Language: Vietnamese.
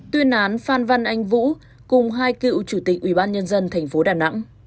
tuyên án phan văn anh vũ cùng hai cựu chủ tịch ubnd thành phố đà nẵng